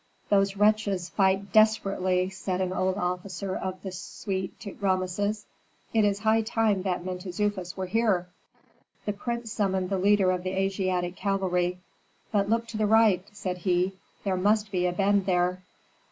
"Those wretches fight desperately," said an old officer of the suite to Rameses. "It is high time that Mentezufis were here." The prince summoned the leader of the Asiatic cavalry. "But look to the right," said he; "there must be a bend there."